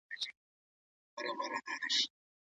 باغي ژوند مي